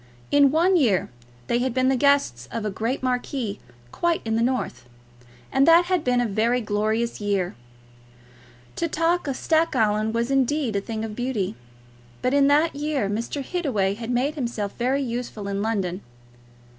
In one year they had been the guests of a great marquis quite in the north, and that had been a very glorious year. To talk of Stackallan was, indeed, a thing of beauty. But in that year Mr. Hittaway had made himself very useful in London.